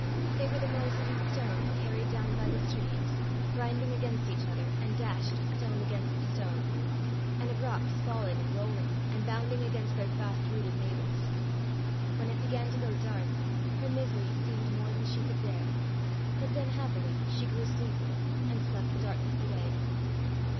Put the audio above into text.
They were the noises of stones carried down by the streams, grinding against each other, and dashed stone against stone; and of rocks falling and rolling, and bounding against their fast rooted neighbours. When it began to grow dark, her misery seemed more than she could bear; but then, happily, she grew sleepy, and slept the darkness away.